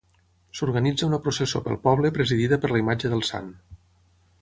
S'organitza una processó pel poble presidida per la imatge del sant.